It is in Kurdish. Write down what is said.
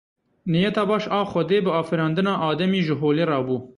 Niyeta baş a Xwedê bi afirandina Ademî ji holê rabû.